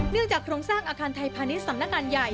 จากโครงสร้างอาคารไทยพาณิชย์สำนักงานใหญ่